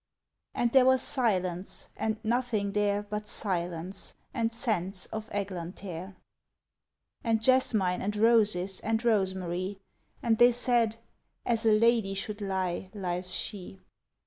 And there was silence, and nothing there But silence, and scents of eglantere, And jasmine, and roses, and rosemary; And they said, "As a lady should lie, lies she."